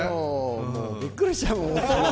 びっくりしちゃう。